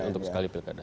untuk sekali pilkada